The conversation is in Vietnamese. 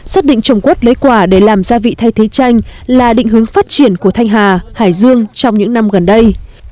xác định trồng quất lấy quả để làm gia vị thay thế chanh là định hướng phát triển của thanh hà hải dương trong những năm gần đây